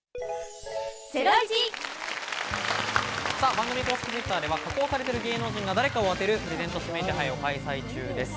番組公式Ｔｗｉｔｔｅｒでは、加工されている芸能人が誰かを当てるプレゼント指名手配を開催中です。